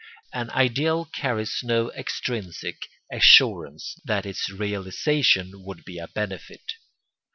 An ideal carries no extrinsic assurance that its realisation would be a benefit.